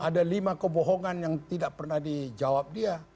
ada lima kebohongan yang tidak pernah dijawab dia